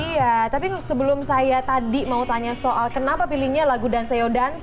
iya tapi sebelum saya tadi mau tanya soal kenapa pilihnya lagu dansa ya dansa